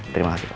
terima kasih pak